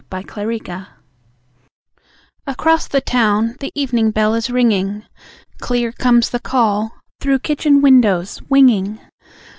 The House Mother Across the town the evening bell is ringing; Clear comes the call, through kitchen windows winging!